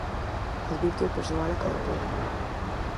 Advírteo o persoal a cada pouco.